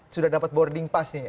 sudah dapat boarding pass nih